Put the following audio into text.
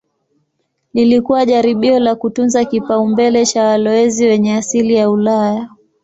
Lilikuwa jaribio la kutunza kipaumbele cha walowezi wenye asili ya Ulaya.